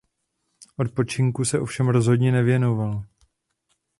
Odpočinku se ovšem rozhodně nevěnoval.